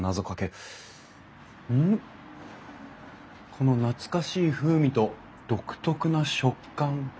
この懐かしい風味と独特な食感。